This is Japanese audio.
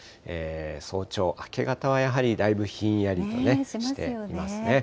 早朝、明け方はやはりだいぶひんやりとしていますね。